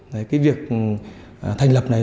cái việc thành lập này